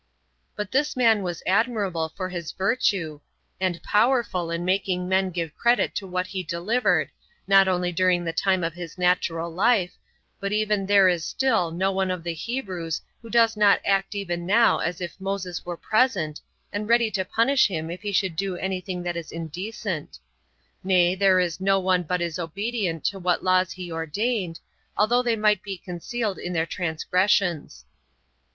3. But this man was admirable for his virtue, and powerful in making men give credit to what he delivered, not only during the time of his natural life, but even there is still no one of the Hebrews who does not act even now as if Moses were present, and ready to punish him if he should do any thing that is indecent; nay, there is no one but is obedient to what laws he ordained, although they might be concealed in their transgressions.